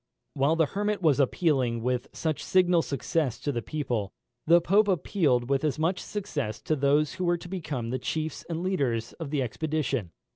While the Hermit was appealing with such signal success to the people, the Pope appealed with as much success to those who were to become the chiefs and leaders of the expedition.